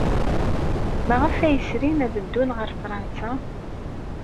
Maɣef ay srin ad ddun ɣer Fṛansa?